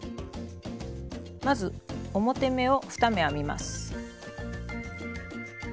まず表目を２目編みます。